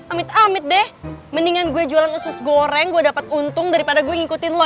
amit amit deh mendingan gue jualan usus goreng gue dapat untung daripada gue ngikutin lo